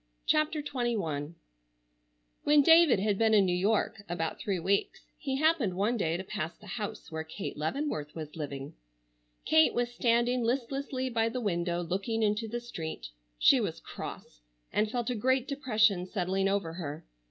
CHAPTER XXI When David had been in New York about three weeks, he happened one day to pass the house where Kate Leavenworth was living. Kate was standing listlessly by the window looking into the street. She was cross and felt a great depression settling over her.